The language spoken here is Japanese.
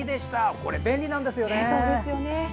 これ、便利なんですよね。